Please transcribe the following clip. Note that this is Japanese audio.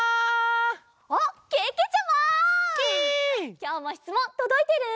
きょうもしつもんとどいてる？